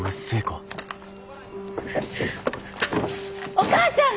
お母ちゃん！